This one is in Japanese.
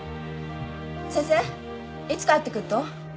先生いつ帰ってくると？